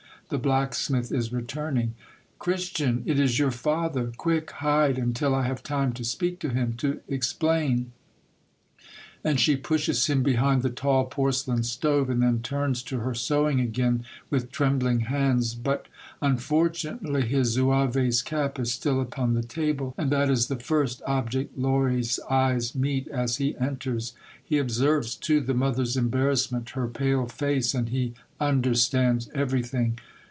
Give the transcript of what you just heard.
The blacksmith is returning. '' Christian, it is your father ! Quick, hide, until I have had time to speak to him, to explain !" And she pushes him behind the tall porcelain A Renegade Zouave, 57 stove, and then turns to her sewing again with trembling hands. But, unfortunately, his zouave's cap is still upon the table, and that is the first ob ject Lory's eyes meet as he enters. He observes, too, the mother's embarrassment, her pale face, and he understands everything.